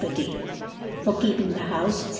^^)Day, for: keeping, the Houfe, &r.